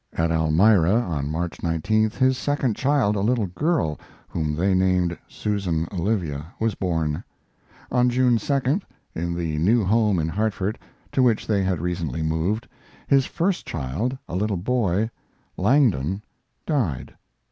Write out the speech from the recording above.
At Elmira, on March 19th, his second child, a little girl, whom they named Susan Olivia, was born. On June 2d, in the new home in Hartford, to which they had recently moved, his first child, a little boy, Langdon, died.